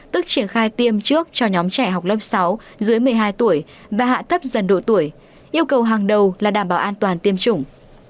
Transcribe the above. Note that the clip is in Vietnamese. tức triển khai tiêm trước cho nhóm trẻ học lớp sáu dưới một mươi hai tuổi và hạ thấp dần độ tuổi yêu cầu hàng đầu là đảm bảo an toàn tiêm chủng